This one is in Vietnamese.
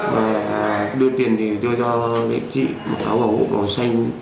và đưa tiền thì đưa cho đệm trị mở áo vào mẫu màu xanh